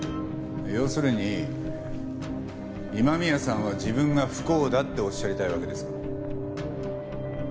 要するに今宮さんは自分が不幸だっておっしゃりたいわけですか？